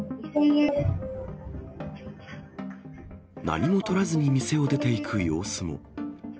何もとらずに店を出ていく様子も。